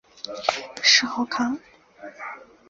谥号康。